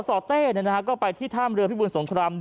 สตเต้ก็ไปที่ถ้ามเรือพี่บุญสงคราม๑